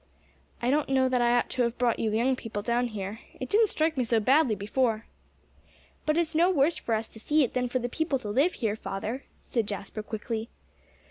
"I don't know that I ought to have brought you young people down here. It didn't strike me so badly before." "But it's no worse for us to see it than for the people to live here, father," said Jasper quickly.